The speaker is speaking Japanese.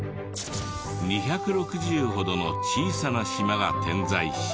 ２６０ほどの小さな島が点在し。